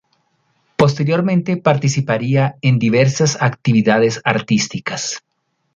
Posteriormente, participaría en diversas actividades artísticas.